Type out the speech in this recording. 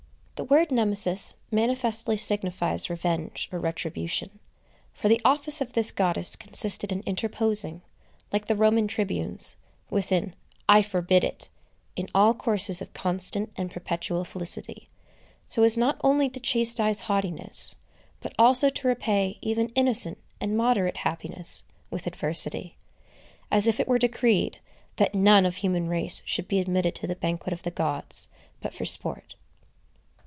The word Nemesis manifestly signifies revenge, or retribution; for the office of this goddess consisted in interposing, like the Roman tribunes, with an "I forbid it," in all courses of constant and perpetual felicity, so as not only to chastise haughtiness, but also to repay even innocent and moderate happiness with adversity; as if it were decreed, that none of human race should be admitted to the banquet of the gods, but for sport.